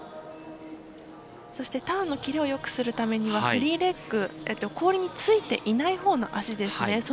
そして、ターンのキレをよくするためにはフリーレッグ、氷についていないほうの足ですね。